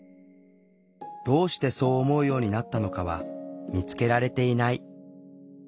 どうしてそう思うようになったのかは見つけられていない。